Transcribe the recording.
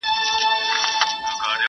خپل یې د ټولو که ځوان که زوړ دی!!